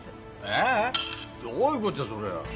えぇどういうことじゃそりゃ。